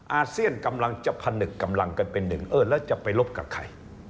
อาเซียนกำลังจะผนึกกำลังกันเป็นหนึ่งเออแล้วจะไปลบกับใคร